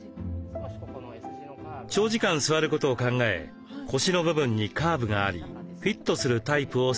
長時間座ることを考え腰の部分にカーブがありフィットするタイプを勧めます。